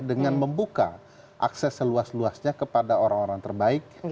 dengan membuka akses seluas luasnya kepada orang orang terbaik